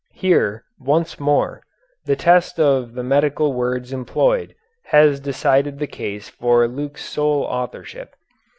Here, once more, the test of the medical words employed has decided the case for Luke's sole authorship.